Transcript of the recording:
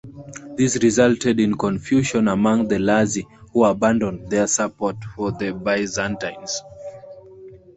This resulted in confusion among the Lazi who abandoned their support for the Byzantines.